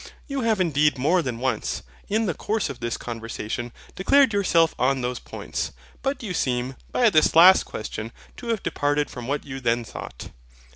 You have indeed more than once, in the course of this conversation, declared yourself on those points; but you seem, by this last question, to have departed from what you then thought.